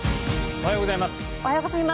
おはようございます。